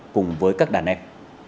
cùng với các đàn em